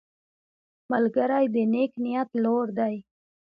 ملګری د نیک نیت لور دی